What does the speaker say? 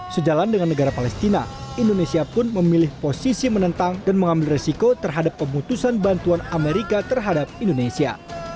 sejalan dengan negara palestina indonesia pun memilih posisi menentang dan mengambil resiko terhadap pemutusan bantuan amerika terhadap indonesia